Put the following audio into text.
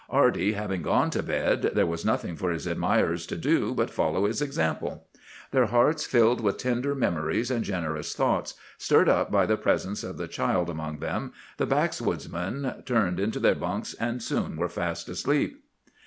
Arty having gone to bed, there was nothing for his admirers to do but follow his example. Their hearts filled with tender memories and generous thoughts, stirred up by the presence of the child among them, the backwoodsmen turned into their bunks, and soon were fast asleep.